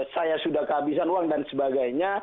saya sudah kehabisan uang dan sebagainya